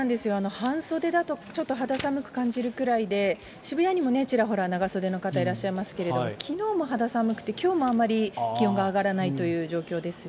半袖だと、ちょっと肌寒く感じるくらいで、渋谷にもちらほら、長袖の方、いらっしゃいますけれども、きのうも肌寒くて、きょうもあまり気温が上がらないという状況ですね。